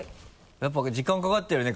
やっぱ時間かかってるね